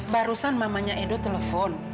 barusan mamanya edo telepon